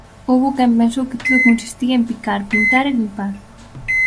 Houbo quen pensou que todo consistía en picar, pintar e limpar.